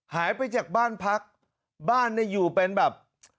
หายไปจากบ้านพักบ้านเนี่ยอยู่เป็นแบบ